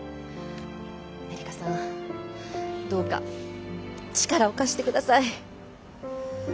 えりかさんどうか力を貸してください！